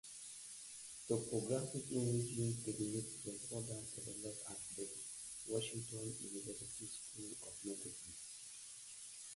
Tomographic imaging techniques were further developed at the Washington University School of Medicine.